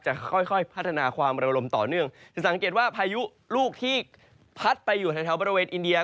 ค่อยค่อยพัฒนาความเร็วลมต่อเนื่องจะสังเกตว่าพายุลูกที่พัดไปอยู่แถวบริเวณอินเดีย